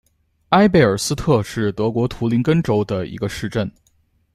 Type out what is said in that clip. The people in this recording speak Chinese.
埃贝尔斯特是德国图林根州的一个市镇。